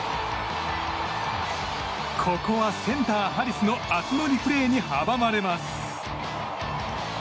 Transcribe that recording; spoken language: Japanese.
ここはセンター、ハリスの熱盛プレーに阻まれます。